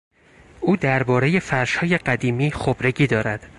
او دربارهی فرشهای قدیمی خبرگی دارد.